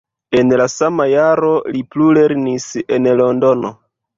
En la sama jaro li plulernis en Londono.